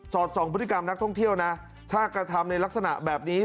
สองพฤติกรรมนักท่องเที่ยวนะถ้ากระทำในลักษณะแบบนี้